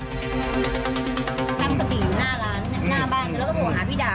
นั่งสติอยู่หน้าบ้านแล้วก็โทรหาพี่ดา